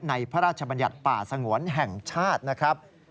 พระราชบัญญัติป่าสงวนแห่งชาตินะครับ